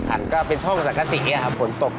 ไปแต่งที่ราวเลย